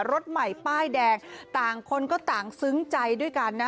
รถใหม่ป้ายแดงต่างคนก็ต่างซึ้งใจด้วยกันนะ